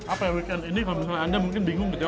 apa ya weekend ini kalau misalnya anda mungkin bingung gitu ya